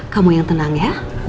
kamu yang tenang ya